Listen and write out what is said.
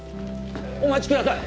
お待ちください！